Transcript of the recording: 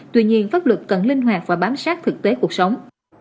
tuy nhiên pháp luật cần linh hoạt và bám sát thực tế cuộc sống